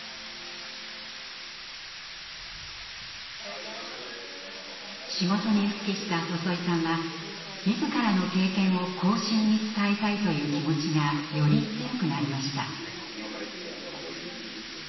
やっぱし仕事に復帰した細井さんは自らの経験を後進に伝えたいという気持ちがより強くなりました。